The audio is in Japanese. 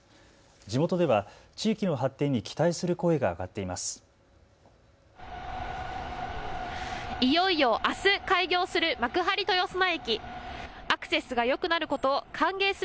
地元では地域の発展に期待する声が上がっています。